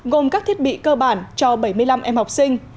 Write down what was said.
gồm các thiết bị cơ bản cho bảy mươi năm em học sinh